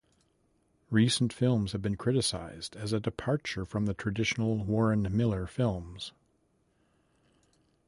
Recent films have been criticized as a departure from the traditional Warren Miller films.